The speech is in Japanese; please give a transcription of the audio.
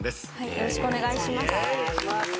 よろしくお願いします。